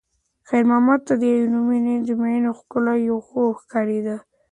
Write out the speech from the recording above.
خیر محمد ته د عینومېنې د ماڼیو ښکلا یو خوب ښکارېده.